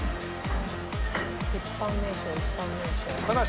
一般名称一般名称。